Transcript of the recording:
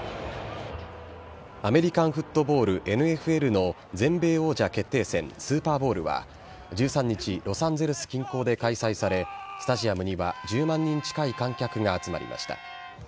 アメリカンフットボール・ＮＦＬの全米王者決定戦、スーパーボウルは１３日、ロサンゼルス近郊で開催され、スタジアムには１０万人近い観客が集まりました。